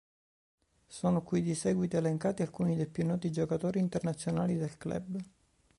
Sono qui di seguito elencati alcuni dei più noti giocatori internazionali del club.